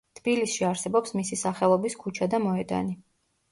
თბილისში არსებობს მისი სახელობის ქუჩა და მოედანი.